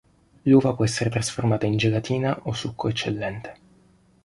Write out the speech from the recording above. L’uva può essere trasformata in gelatina o succo eccellente.